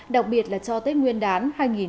đặc biệt là cho tết nguyên đán hai nghìn hai mươi